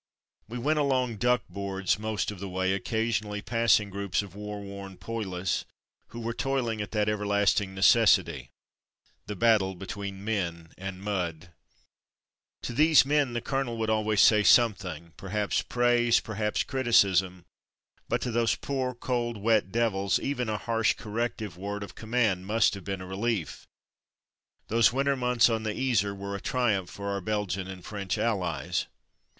We went along ''duck boards" most of the way, occasionally passing groups of war worn poilus, who were toiling at that everlast ing necessity — the battle between Man and Mud. To these men the colonel would al ways say something — perhaps praise, per 4\ Mud and Monotony 169 haps criticism. But to those poor, cold, wet devils, even a harsh corrective word of com mand must have been relief. Those winter months on the Yser were a triumph for our Belgian and French allies.